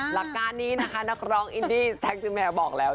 หลักการนี้นะคะนักร้องอินดี้แซ็กซิแมวบอกแล้ว